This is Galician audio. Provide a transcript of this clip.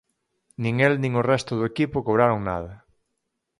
Nin el nin o resto do equipo cobraron nada.